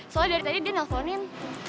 soalnya dari tadi dia nelfonin